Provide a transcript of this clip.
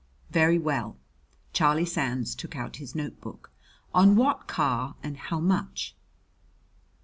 "Very well." Charlie Sands took out his notebook. "On what car and how much?"